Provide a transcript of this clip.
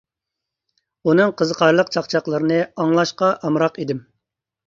ئۇنىڭ قىزىقارلىق چاقچاقلىرىنى ئاڭلاشقا ئامراق ئىدىم.